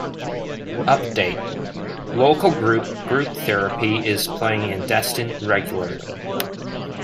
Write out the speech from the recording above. Update: Local group Group Therapy is playing in Destin regularly.